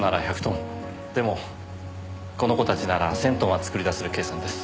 でもこの子たちなら１０００トンは作り出せる計算です。